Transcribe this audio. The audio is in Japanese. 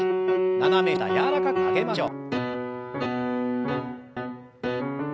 斜め下柔らかく曲げましょう。